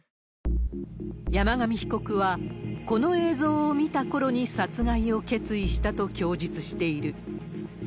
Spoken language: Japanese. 山上被告は、この映像を見たころに殺害を決意したと供述している。